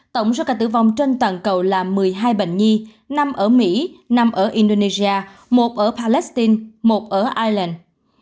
tổng số ca tử vong trên toàn cầu là một mươi hai bệnh nhi năm ở mỹ nằm ở indonesia một ở palestine một ở ireland